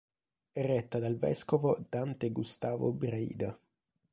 È retta dal vescovo Dante Gustavo Braida.